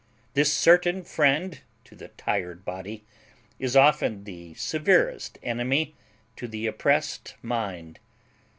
This certain friend to the tired body is often the severest enemy to the oppressed mind.